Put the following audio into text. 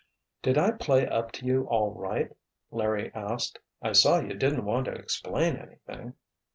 "Did I play up to you all right?" Larry asked. "I saw you didn't want to explain anything."